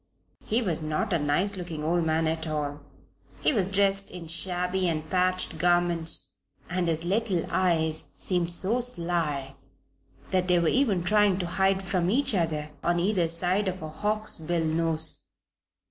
He was not a nice looking old man at all, he was dressed in shabby and patched garments, and his little eyes seemed so sly that they were even trying to hide from each other on either side of a hawksbill nose.